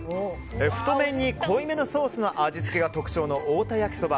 太麺に濃いめのソースの味付けが特徴の太田やきそば。